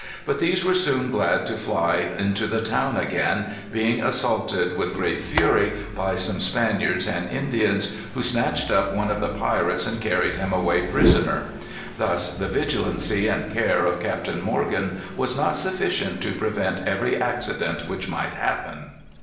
But these were soon glad to fly into the town again, being assaulted with great fury by some Spaniards and Indians, who snatched up one of the pirates and carried him away prisoner. Thus the vigilancy and care of Captain Morgan was not sufficient to prevent every accident which might happen."